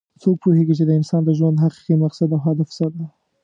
څوک پوهیږي چې د انسان د ژوند حقیقي مقصد او هدف څه ده